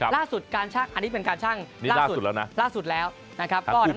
ล่าสุดราบานชั่งของการชั่งอันนี้